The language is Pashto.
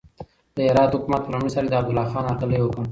د هرات حکومت په لومړي سر کې د عبدالله خان هرکلی وکړ.